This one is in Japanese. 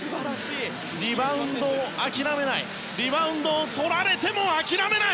リバウンドを諦めないリバウンドをとられても諦めない！